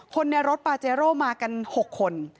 คนในรถปาเจโร่มากัน๖คน